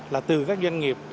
là từ các doanh nghiệp